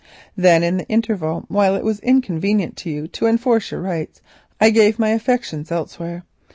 Then, in the interval, while it was inconvenient to you to enforce those terms, I gave my affection elsewhere.